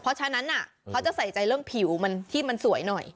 เพราะฉะนั้นเขาจะใส่ใจเรื่องผิวที่มันสวยหน่อย